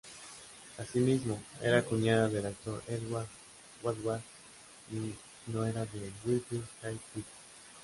Asimismo, era cuñada del actor Edward Woodward y nuera de Wilfrid Hyde-White.